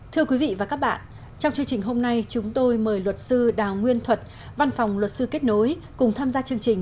thưa quý vị và các bạn trong chương trình hôm nay chúng tôi mời luật sư đào nguyên thuật văn phòng luật sư kết nối cùng tham gia chương trình